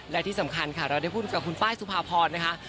และที่สำคัญค่ะเราได้พูดกับคุณป้ายสุภาพรนะคะ